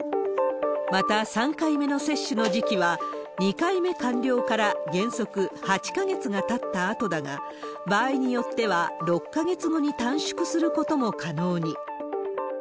また、３回目の接種の時期は、２回目完了から原則８か月がたったあとだが、場合によっては６か月後に短縮することも可能に。